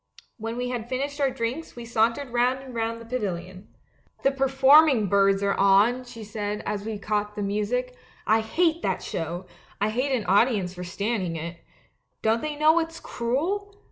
When we had finished our di'inks we sauntered round and round the pavilion. " 'The performing birds are on,' she said, as we caught the music; 'I hate that show, I hate an audience for standing it. Don't they know it's cruel?